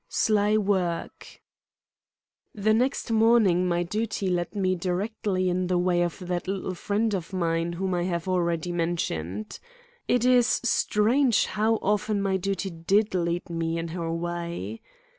SLY WORK The next morning my duty led me directly in the way of that little friend of mine whom I have already mentioned. It is strange how often my duty did lead me in her way.